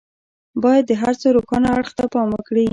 بايد د هر څه روښانه اړخ ته پام وکړي.